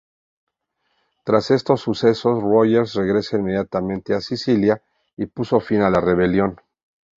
Tras estos sucesos Roger regresa inmediatamente a Sicilia y puso fin a la rebelión.